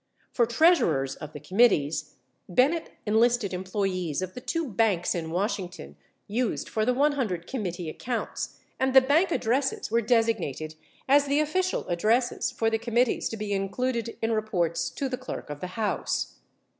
For treasurers of the committees, Bennett enlisted employees of the two banks in Washington used for the 100 committee accounts, and the bank addresses were designated as the official addresses for the committees to be included in reports to the Clerk of the House.